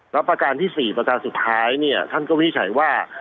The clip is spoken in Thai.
แล้วประการที่๔ประการสุดท้ายเนี่ยท่านก็วินิจฉัยว่า